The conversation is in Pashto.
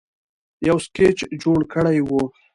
یو سکیچ جوړ کړی وو